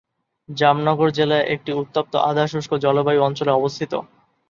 জামনগর জেলা একটি উত্তপ্ত আধা-শুষ্ক জলবায়ু অঞ্চলে অবস্থিত।